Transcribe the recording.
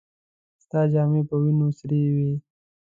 ستا جامې په وينو سرې وې.